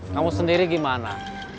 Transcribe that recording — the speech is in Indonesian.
kamu sendiri gimana